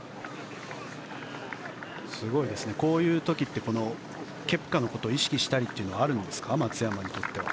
こういう時ってケプカのことを意識したりというのはあるんですか、松山にとって。